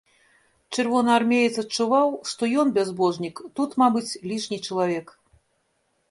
Чырвонаармеец адчуваў, што ён, бязбожнік, тут, мабыць, лішні чалавек.